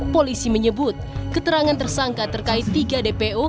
polisi menyebut keterangan tersangka terkait tiga dpo